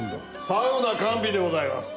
サウナ完備でございます。